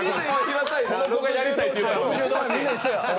この子がやりたいって言うたのに。